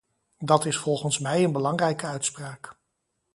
Dat is volgens mij een belangrijke uitspraak.